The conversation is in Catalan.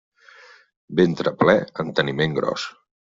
Ventre ple, enteniment gros.